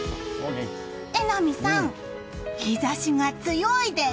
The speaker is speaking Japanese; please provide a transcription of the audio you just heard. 榎並さん、日差しが強いです。